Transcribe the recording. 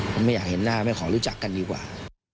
ผมไม่อยากเห็นหน้าไม่ขอรู้จักกันดีกว่า